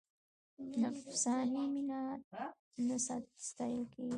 نفساني مینه نه ستایل کېږي.